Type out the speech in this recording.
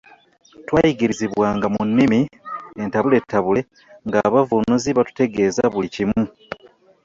Twayigirizibwanga mu nnimi entabuletabule ng’abavvuunuzi batutegeeza buli kimu.